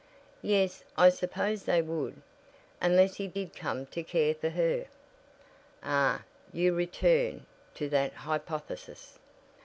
"Yes, I suppose they would, unless he did come to care for her." "Ah, you return to that hypothesis.